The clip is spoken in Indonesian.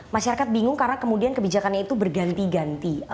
masyarakat bingung karena kemudian kebijakannya itu berganti ganti